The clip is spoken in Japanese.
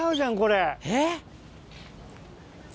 えっ？